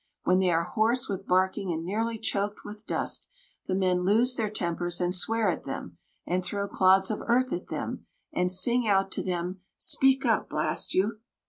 When they are hoarse with barking and nearly choked with dust, the men lose their tempers and swear at them, and throw clods of earth at them, and sing out to them "Speak up, blast you!"